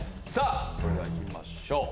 それでは行きましょう！